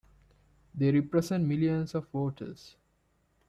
They represent millions of voters!